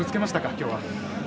きょうは。